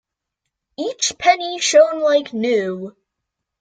Each penny shone like new.